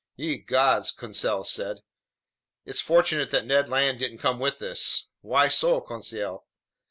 "Ye gods," Conseil said, "it's fortunate that Ned Land didn't come with us!" "Why so, Conseil?"